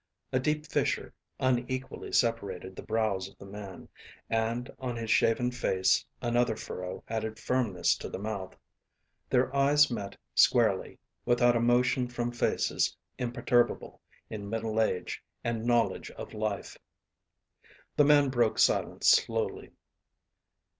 A deep fissure unequally separated the brows of the man, and on his shaven face another furrow added firmness to the mouth. Their eyes met squarely, without a motion from faces imperturbable in middle age and knowledge of life. The man broke silence slowly.